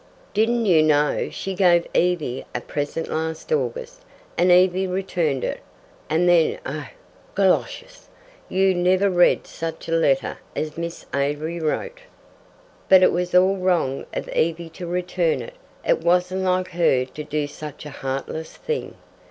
"Didn't you know she gave Evie a present last August, and Evie returned it, and then oh, goloshes! You never read such a letter as Miss Avery wrote." "But it was wrong of Evie to return it. It wasn't like her to do such a heartless thing."